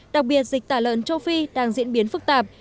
đặc biệt dịch tả lợn châu phi đang diễn biến phức tạp